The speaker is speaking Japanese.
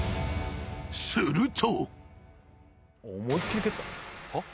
［すると］